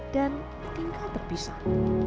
dan tinggal terpisah